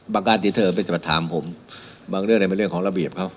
การที่เธอไปจะมาถามผมบางเรื่องเป็นเรื่องของระเบียบเขา